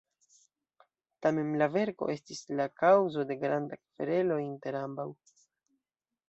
Tamen la verko estis la kaŭzo de granda kverelo inter ambaŭ.